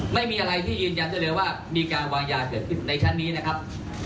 ไม่มีอะไรที่ยืนยันได้เลยว่ามีการวางยาเกิดขึ้นในชั้นนี้นะครับ